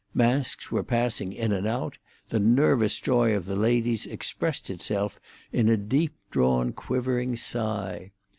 Masks were passing in and out; the nervous joy of the ladies expressed itself in a deep drawn quivering sigh.